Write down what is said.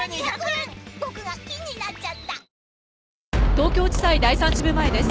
東京地裁第３支部前です。